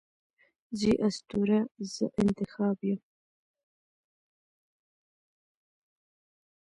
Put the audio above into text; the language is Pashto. زه یې اسطوره، زه انتخاب یمه